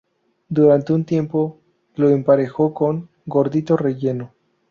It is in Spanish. Durante un tiempo, lo emparejó con "Gordito Relleno".